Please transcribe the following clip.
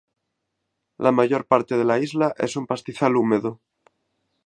La mayor parte de la isla es un pastizal húmedo.